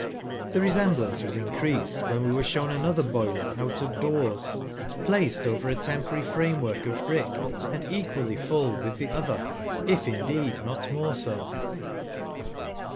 1 : The resemblance was increased when we were shown another boiler out of doors, placed over a temporary frame work of brick, and equally full with the other, if, indeed, not more so.